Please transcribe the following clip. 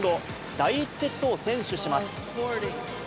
第１セットを先取します。